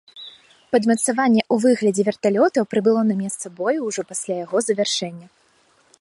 Падмацаванне ў выглядзе верталётаў прыбыло на месца бою ўжо пасля яго завяршэння.